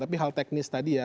tapi hal teknis tadi ya